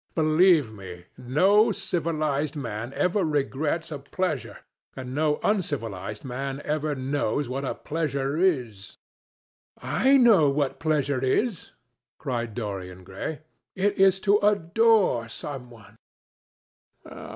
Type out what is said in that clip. Believe me, no civilized man ever regrets a pleasure, and no uncivilized man ever knows what a pleasure is." "I know what pleasure is," cried Dorian Gray. "It is to adore some one."